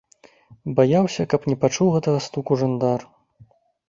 Баяўся, каб не пачуў гэтага стуку жандар.